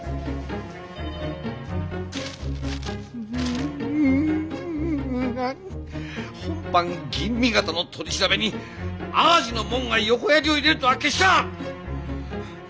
んん何本藩吟味方の取り調べに淡路の者が横やりを入れるとはけしからん！